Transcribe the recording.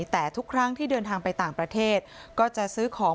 แต่ทุกครั้งที่เดินทางไปต่างประเทศก็จะซื้อของ